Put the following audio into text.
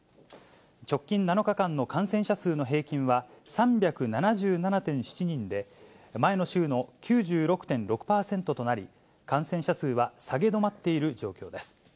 直近７日間の感染者数の平均は３７７．７人で、前の週の９６．６％となり、感染者数は下げ止まっている状況です。